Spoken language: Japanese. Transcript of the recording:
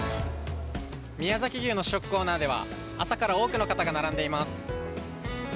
宮崎牛の試食コーナーでは朝から多くの方が並んでいます。